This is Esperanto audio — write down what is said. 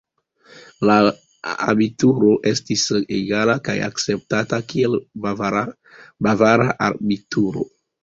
La abituro estis egala kaj akceptata, kiel bavara abituro.